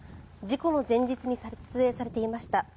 事故の前日に撮影されていました。